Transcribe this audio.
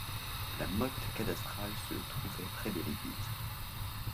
La motte cadastrale se trouvait près de l’église.